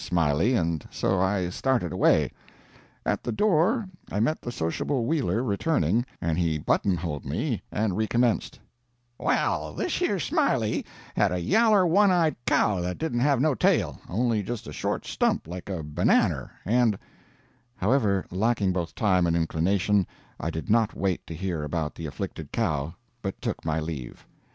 Smiley, and so I started away. At the door I met the sociable Wheeler returning, and he buttonholed me and recommenced: "Well, thish yer Smiley had a yaller one eyed cow that didn't have no tail, only just a short stump like a bannanner, and " However, lacking both time and inclination, I did not wait to hear about the afflicted cow, but took my leave.